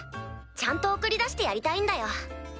ちゃんと送り出してやりたいんだよ。